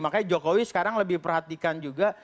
makanya jokowi sekarang lebih perhatikan juga